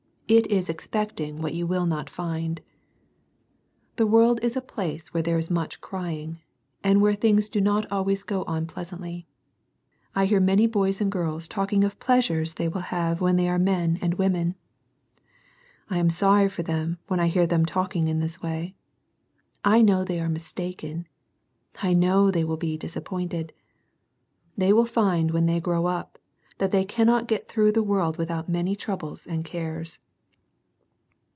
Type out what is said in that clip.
It is expecting what you m\\ t^<5>\. *«sA. "X>&r. 68 SERMONS FOR CHILDREN. ^" world is a place where there is much " crying,' ^ and where things do not always go on pleas \ antly. I hear many boys and girls talking o ] pleasures they will have when they are men anc women. I am sorry for them when I hea them talking in this way. I know they an jj'i mistaken. I know they will be disappointed They will find when they grow up, that the] t^ cannot get through the world without man] j, troubles and cares.